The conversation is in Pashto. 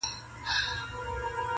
د ښکاري په لاس چاړه وه دم درحاله -